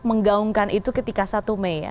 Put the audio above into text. menggaungkan itu ketika satu mei ya